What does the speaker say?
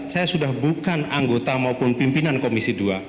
saya sudah bukan anggota maupun pimpinan komisi dua